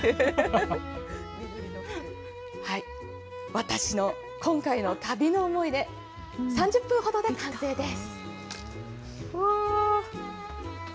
私の今回の旅の思い出、３０分ほどで完成です。